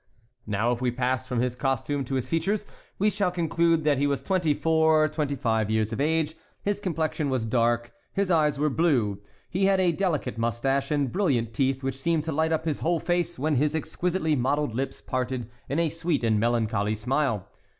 Now if we pass from his costume to his features we shall conclude that he was twenty four or twenty five years of age. His complexion was dark; his eyes were blue; he had a delicate mustache and brilliant teeth which seemed to light up his whole face when his exquisitely modelled lips parted in a sweet and melancholy smile.